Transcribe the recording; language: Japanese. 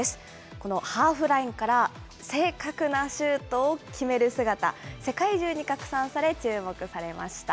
このハーフラインから正確なシュートを決める姿、世界中に拡散され、注目されました。